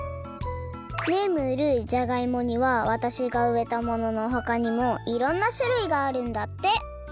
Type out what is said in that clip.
ねえムールじゃがいもにはわたしがうえたもののほかにもいろんなしゅるいがあるんだって！